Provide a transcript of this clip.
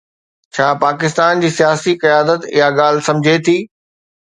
ڇا پاڪستان جي سياسي قيادت اها ڳالهه سمجهي ٿي؟